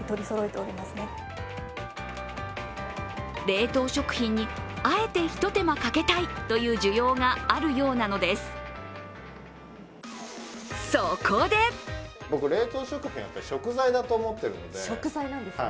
冷凍食品にあえてひと手間かけたいという需要があるようなのです。